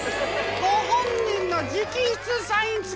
ご本人の直筆サイン付き。